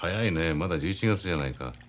まだ１１月じゃないか。